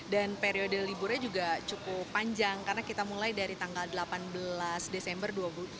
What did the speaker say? dan periode liburnya juga cukup panjang karena kita mulai dari tanggal delapan belas desember dua ribu dua puluh tiga